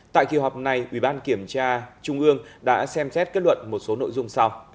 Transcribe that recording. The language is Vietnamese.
tại kỳ họp này ủy ban kiểm tra trung ương đã xem xét kết luận một số nội dung sau